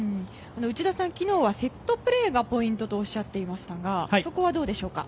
内田さん、昨日はセットプレーがポイントとおっしゃっていましたがそこはどうでしょうか？